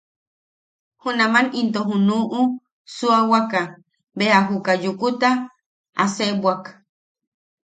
Junaman into junuʼu, suawaka beja juka Yukuta aseebwak.